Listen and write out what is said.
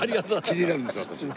気になるんですよ私。